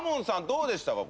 どうでしたか？